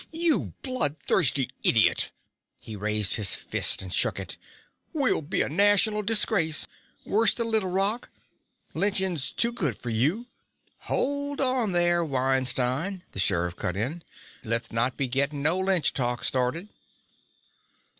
"You blood thirsty idiot!" He raised a fist and shook it. "We'll be a national disgrace worse than Little Rock! Lynching's too good for you!" "Hold on there, Weinstein," the sheriff cut in. "Let's not go gettin' no lynch talk started."